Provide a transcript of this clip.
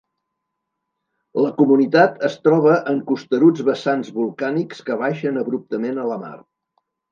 La comunitat es troba en costeruts vessants volcànics que baixen abruptament a la mar.